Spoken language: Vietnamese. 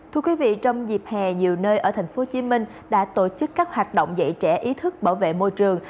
thưa quý vị trong dịp hè nhiều nơi ở tp hcm đã tổ chức các hoạt động dạy trẻ ý thức bảo vệ môi trường